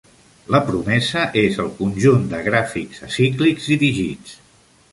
La promesa és el conjunt de gràfics acíclics dirigits.